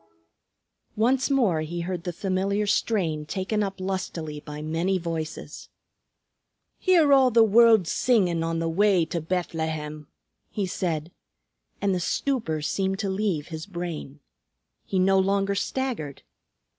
Once more he heard the familiar strain taken up lustily by many voices. "Hear all the world singin' on the way to Bethlehem!" he said, and the stupor seemed to leave his brain. He no longer staggered.